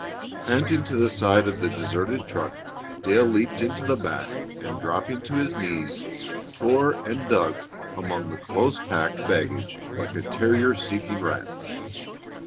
Panting to the side of the deserted truck, Dale leaped into the back, and, dropping to his knees, tore and dug among the close packed baggage like a terrier seeking rats.